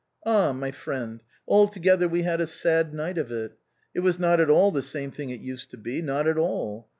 Ah ! my friend, altogether we had a sad night of it. It was not at all the same thing it used to be, not at all.